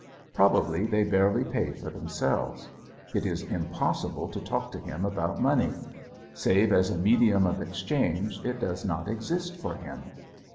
Probably they barely pay for themselves. It is impossible to talk to him about money. Save as a medium of exchange it does not exist for him.